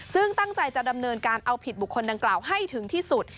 ซึ่งตั้งใจจะดำเนินการเอาผิดบุคคลดังกล่าวให้ถึงที่สุด